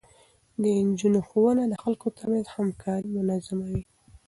د نجونو ښوونه د خلکو ترمنځ همکاري منظموي.